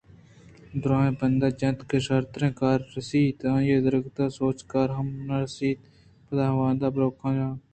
دوُریں پندے جنت کہ شرتریں کارے رسیت آ دگراں سوچ کار ہم نہ رست ءُپداآاودا برو کجام کار رسیت